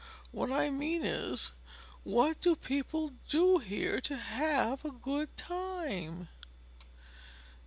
What I mean is: what do people do here to have a good time?"